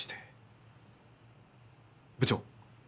部長？